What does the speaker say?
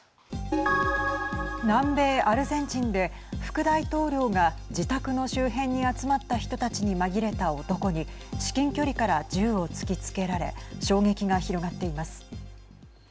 南米アルゼンチンで副大統領が自宅の周辺に集まった人たちに紛れた男に至近距離から銃を突きつけられ衝撃が広がっています。